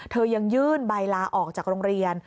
ยังยื่นใบลาออกจากโรงเรียน